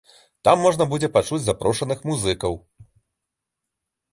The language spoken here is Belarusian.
Там можна будзе пачуць запрошаных музыкаў.